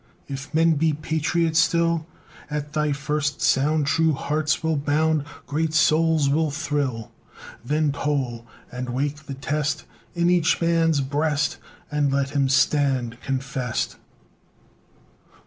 If men be patriots still, At thy first sound True hearts will bound, Great souls will thrill Then toll! and wake the test In each man's breast, And let him stand confess'd!